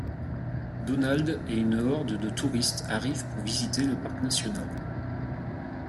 Donald et une horde de touristes arrivent pour visiter le parc national.